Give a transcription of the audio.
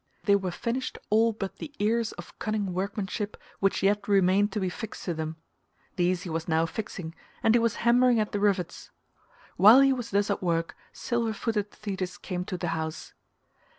They were finished all but the ears of cunning workmanship which yet remained to be fixed to them: these he was now fixing, and he was hammering at the rivets. While he was thus at work silver footed Thetis came to the house.